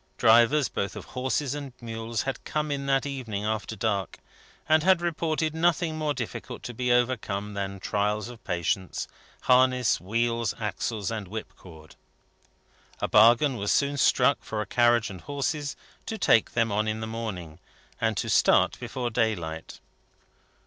Drivers, both of horses and mules, had come in that evening after dark, and had reported nothing more difficult to be overcome than trials of patience, harness, wheels, axles, and whipcord. A bargain was soon struck for a carriage and horses, to take them on in the morning, and to start before daylight.